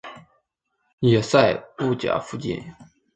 野寒布岬附近。